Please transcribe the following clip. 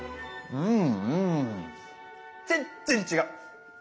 うん！